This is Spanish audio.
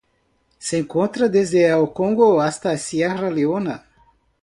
Se encuentra desde el Congo hasta Sierra Leona.